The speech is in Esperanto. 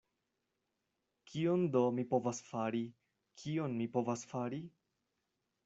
Kion do mi povas fari, kion mi povas fari?